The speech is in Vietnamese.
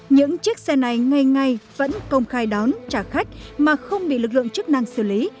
những chiếc xe này ngay ngay vẫn công khai đón trả khách mà không bị lực lượng chức năng xử lý